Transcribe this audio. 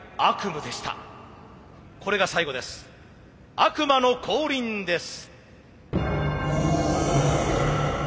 悪魔の降臨です。